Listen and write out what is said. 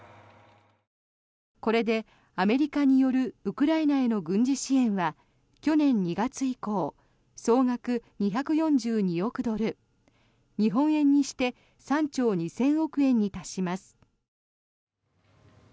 これでアメリカによるウクライナへの軍事支援は去年２月以降総額２４２億ドル日本円にして３兆２０００億円に達します。